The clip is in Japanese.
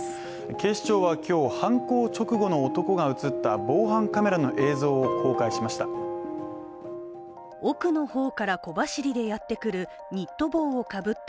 警視庁は今日、犯行直後の男が映った防犯カメラの映像を公開しました。